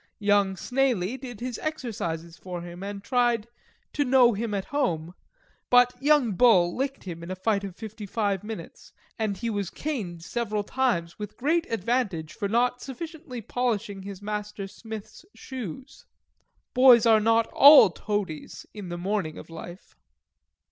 Young Snaily did his exercises for him, and tried 'to know him at home;' but Young Bull licked him in a fight of fifty five minutes, and he was caned several times with great advantage for not sufficiently polishing his master Smith's shoes. Boys are not ALL toadies in the morning of life.